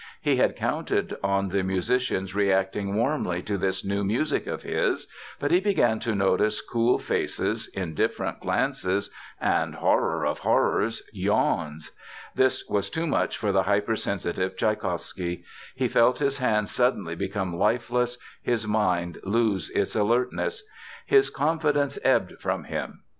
He had counted on the musicians reacting warmly to this new music of his, but he began to notice cool faces, indifferent glances, and—horror of horrors—yawns. This was too much for the hypersensitive Tschaikowsky. He felt his hands suddenly become lifeless, his mind lose its alertness. His confidence ebbed from him.